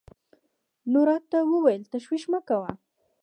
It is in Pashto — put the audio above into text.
نو راته وويل تشويش مه کړه.